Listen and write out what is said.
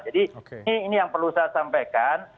ini yang perlu saya sampaikan